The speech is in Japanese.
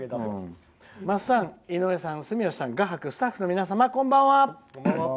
「まっさん、井上さん住吉さん、画伯スタッフの皆さん、こんばんは。